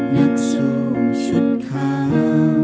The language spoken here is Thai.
นักสู้ชุดขาว